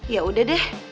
ya udah deh